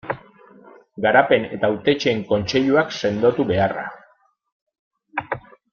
Garapen eta Hautetsien kontseiluak sendotu beharra.